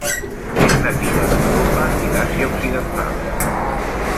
És nativa d'Europa i d'Àsia occidental.